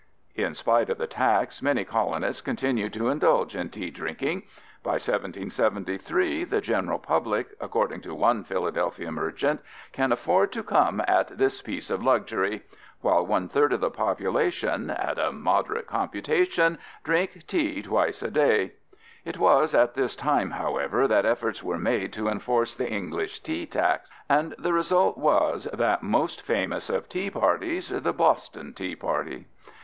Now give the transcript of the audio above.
In spite of the tax many colonists continued to indulge in tea drinking. By 1773 the general public, according to one Philadelphia merchant, "can afford to come at this piece of luxury" while one third of the population "at a moderate computation, drink tea twice a day." It was at this time, however, that efforts were made to enforce the English tea tax and the result was that most famous of tea parties, the "Boston Tea Party."